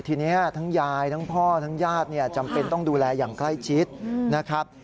ทีนี้ทั้งยายทั้งพ่อทั้งญาติเนี่ยจำเป็นต้องดูแลอย่างใกล้ชิดนะครับ